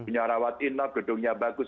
menyarawatinlah gedungnya bagus